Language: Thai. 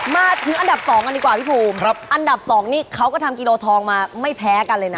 มาถึงอันดับ๒กันดีกว่าพี่ภูมิอันดับ๒นี่เขาก็ทำกิโลทองมาไม่แพ้กันเลยนะ